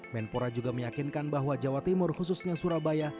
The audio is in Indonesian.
men pora juga meyakinkan bahwa jawa timur khususnya surabaya